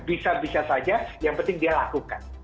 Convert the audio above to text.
bisa bisa saja yang penting dia lakukan